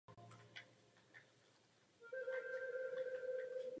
Proboha, přiznejme si to všichni.